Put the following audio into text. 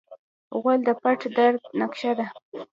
غول د پټ درد نقشه ده.